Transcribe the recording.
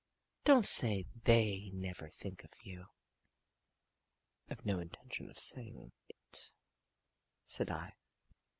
Don't say they never think of you." "I've no intention of saying it," said I.